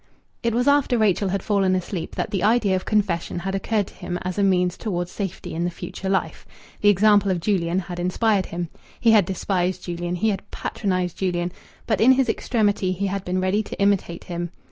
It was after Rachel had fallen asleep that the idea of confession had occurred to him as a means towards safety in the future life. The example of Julian had inspired him. He had despised Julian; he had patronized Julian; but in his extremity he had been ready to imitate him.